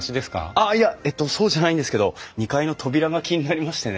あっいやえっとそうじゃないんですけど２階の扉が気になりましてね。